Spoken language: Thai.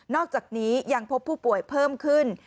อกจากนี้ยังพบผู้ป่วยเพิ่มขึ้น